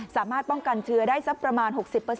สามารถป้องกันเชื้อได้สักประมาณ๖๐